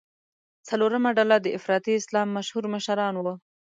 څلورمه ډله د افراطي اسلام مشهور مشران وو.